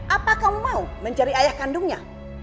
apa kau mau mencari ayah kandungnya